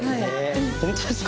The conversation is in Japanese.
本当ですか？